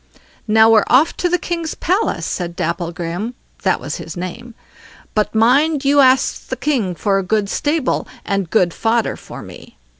"Now we're off to the king's palace", said Dapplegrim—that was his name; "but mind you ask the king for a good stable and good fodder for me."